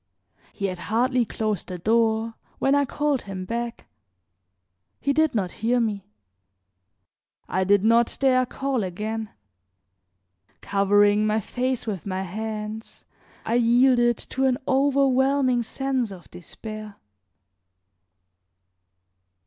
He had hardly closed the door when I called him back. He did not hear me; I did not dare call again; covering my face with my hands I yielded to an overwhelming sense of despair.